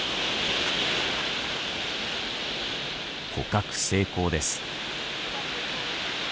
捕獲成功です。